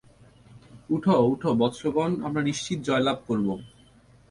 উঠ, উঠ বৎসগণ, আমরা নিশ্চিত জয়লাভ করব।